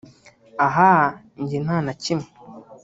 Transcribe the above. ahaaa njye nta nakimwe